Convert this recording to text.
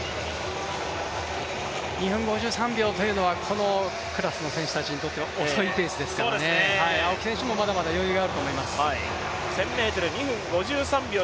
２分５３秒というのはこのクラスの選手にとっては遅いペースですからね、青木選手もまだまだ余裕があると思います。